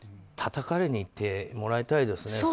たたかれにいってもらいたいですね。